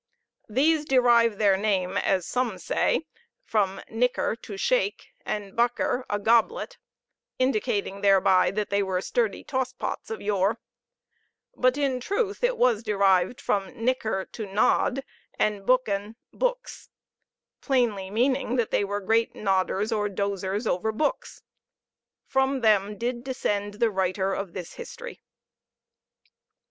These derive their name, as some say, from Knicker, to shake, and Beker, a goblet, indicating thereby that they were sturdy toss pots of yore; but, in truth, it was derived from Knicker, to nod, and Boeken, books; plainly meaning that they were great nodders or dozers over books; from them did descend the writer of this history.